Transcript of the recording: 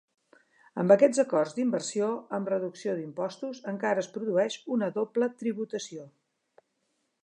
Amb aquests acords d'inversió amb reducció d'impostos encara es produeix una doble tributació.